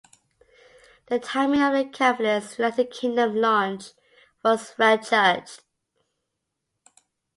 The timing of the Cavalier's United Kingdom launch was well judged.